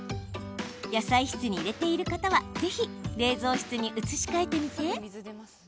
野菜室に入れている方はぜひ冷蔵室に移し替えてみて。